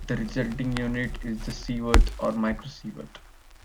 The resulting unit is the sievert or microsievert.